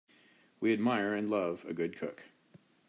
We admire and love a good cook.